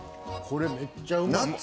これめっちゃうまいわ。